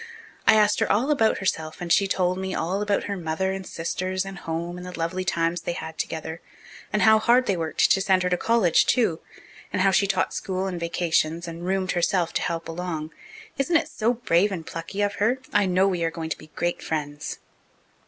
I asked her all about herself and she told me, and all about her mother and sisters and home and the lovely times they had together, and how hard they worked to send her to college too, and how she taught school in vacations and 'roomed' herself to help along. Isn't it so brave and plucky of her! I know we are going to be great friends."